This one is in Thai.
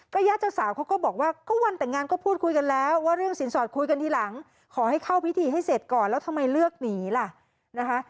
ญาติเจ้าสาวเขาก็บอกว่าก็วันแต่งงานก็พูดคุยกันแล้วว่าเรื่องสินสอดคุยกันทีหลังขอให้เข้าพิธีให้เสร็จก่อนแล้วทำไมเลือกหนีล่ะนะคะ